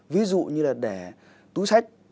ví dụ như là để túi sách